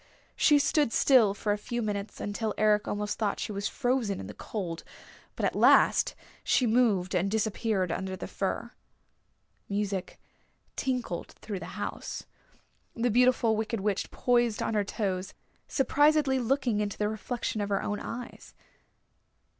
She stood still for a few minutes, until Eric almost thought she was frozen in the cold. But at last she moved and disappeared under the fir. Music tinkled through the house. The Beautiful Wicked Witch poised on her toes, surprisedly looking into the reflection of her own eyes.